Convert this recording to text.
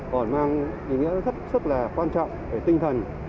còn mang ý nghĩa rất là quan trọng về tinh thần